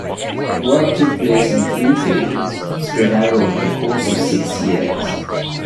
Work took place in three phases spread out over the course of six years.